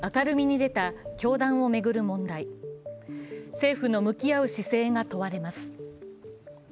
政府の向き合う姿勢が問われます。